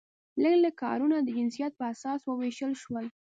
لږ لږ کارونه د جنسیت په اساس وویشل شول.